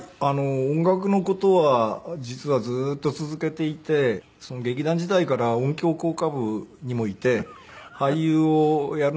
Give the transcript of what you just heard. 音楽の事は実はずーっと続けていて劇団時代から音響効果部にもいて俳優をやるのと同時に。